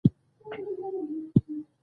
طبیعي عوامل د ارتباط لارو خنډ ګرځي.